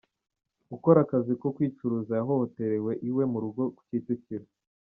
Ukora akazi ko kwicuruza yahotorewe iwe mu rugo ku kicukiro